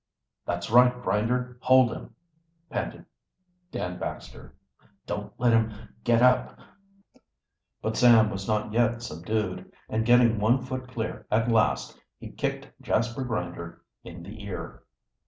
"That's right, Grinder, hold him!" panted Dan Baxter. "Don't let him get up!" But Sam was not yet subdued, and getting one foot clear at last, he kicked Jasper Grinder in the ear.